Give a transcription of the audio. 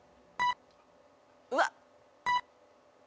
うわっ。